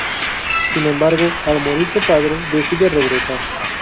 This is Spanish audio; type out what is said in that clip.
Sin embargo, al morir su padre, decide regresar.